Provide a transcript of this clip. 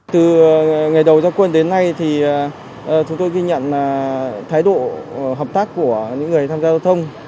từ ngày đầu gia quân đến nay thì chúng tôi ghi nhận thái độ hợp tác của những người tham gia giao thông